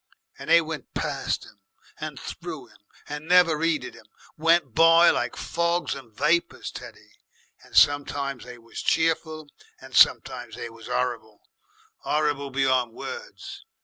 And they went past 'im and through 'im and never 'eeded 'im, went by like fogs and vapours, Teddy. And sometimes they was cheerful and sometimes they was 'orrible, 'orrible beyond words.